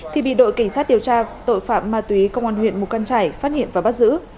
thì bị đội cảnh sát điều tra tội phạm ma túy công an huyện mù căng trải phát hiện và bắt giữ